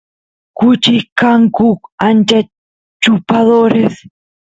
kuchis kanku ancha chupadores